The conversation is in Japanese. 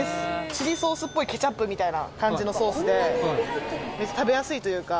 チリソースっぽいケチャップみたいな感じのソースで食べやすいというか。